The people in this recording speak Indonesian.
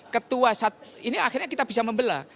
ketua saat ini akhirnya kita bisa membelah